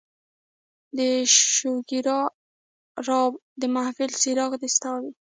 د شوګیراو د محفل څراغ دې ستا وي